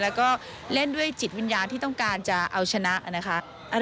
แล้วก็เล่นด้วยจิตวิญญาณที่ต้องการจะเอาชนะนะคะ